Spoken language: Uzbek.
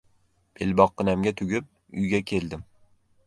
Belboqqinamga tugib, uyga keldim.